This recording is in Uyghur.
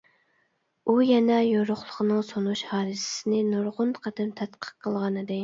ئۇ يەنە يورۇقلۇقنىڭ سۇنۇش ھادىسىسىنى نۇرغۇن قېتىم تەتقىق قىلغانىدى.